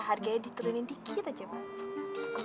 harganya diturunin dikit aja pak